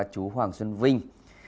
chú hoàng xuân vinh